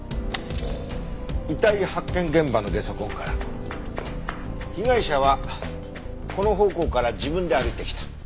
遺体発見現場のゲソ痕から被害者はこの方向から自分で歩いてきた。